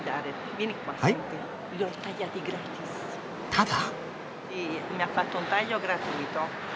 ただ？